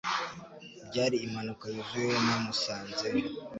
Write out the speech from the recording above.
Byari impanuka yuzuye namusanzeyo